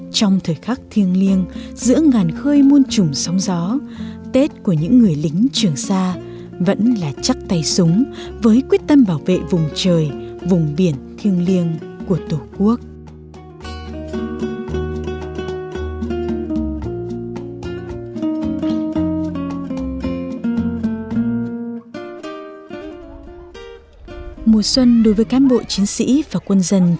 trong thời khắc thiêng liêng giữa ngàn khơi muôn trùng sóng gió tết của những người lính trường sa vẫn là chắc tay súng với quyết tâm bảo vệ vùng trời vùng biển thiêng liêng của tổ quốc